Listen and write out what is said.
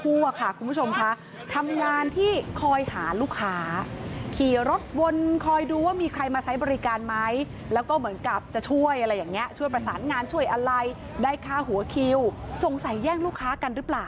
คุณผู้ชมค่ะทำงานที่คอยหาลูกค้าขี่รถวนคอยดูว่ามีใครมาใช้บริการไหมแล้วก็เหมือนกับจะช่วยอะไรอย่างนี้ช่วยประสานงานช่วยอะไรได้ค่าหัวคิวสงสัยแย่งลูกค้ากันหรือเปล่า